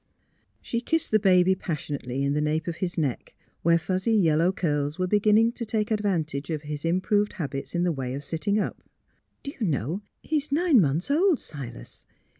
" She kissed the baby passionately in the nape of his neck, where fuzzy yellow curls were be ginning to take advantage of his improved habits in the way of sitting up. '' Do you know he's nine months old, Silas?